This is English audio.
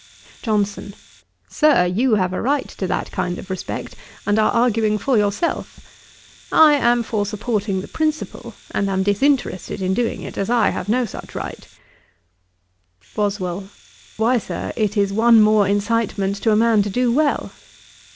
JOHNSON. 'Sir, you have a right to that kind of respect, and are arguing for yourself. I am for supporting the principle, and am disinterested in doing it, as I have no such right.' BOSWELL. 'Why, Sir, it is one more incitement to a man to do well.'